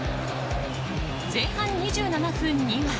前半２７分には。